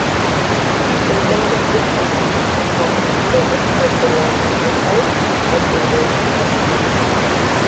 Symptoms of this disease are commonly provoked by prolonged exercise or periods without food.